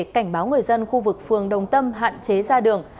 cảnh báo người dân khu vực phường đồng tâm hạn chế ra đường